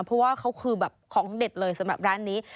เพราะว่าเขาคือแบบของเด็ดเลยสำหรับร้านนี้